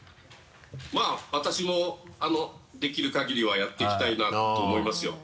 まぁ私もできる限りはやっていきたいなと思いますよ。